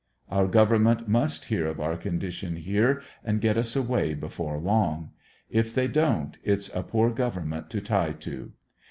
Our government must hear of our condition here and get us away before long. If they don't, its a poor government to tie to.